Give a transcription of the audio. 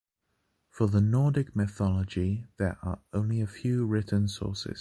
From the Nordic mythology there are only a few written sources.